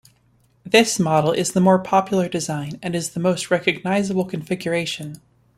This model is the more popular design and is the most recognizable configuration.